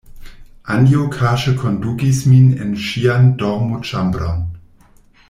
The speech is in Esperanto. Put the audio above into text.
Anjo kaŝe kondukis min en ŝian dormoĉambron.